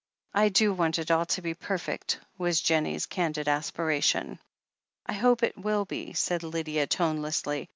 "I do want it all to be perfect," was Jennie's candid aspiration. "I hope it will be," said Lydia tonelessly.